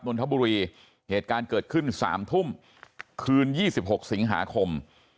นนทบุรีเหตุการณ์เกิดขึ้น๓ทุ่มคืน๒๖สิงหาคม